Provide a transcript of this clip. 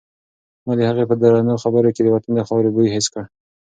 ما د هغې په درنو خبرو کې د وطن د خاورې بوی حس کړ.